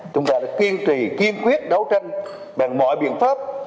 chúng ta đã kiên trì kiên quyết đấu tranh bằng mọi biện pháp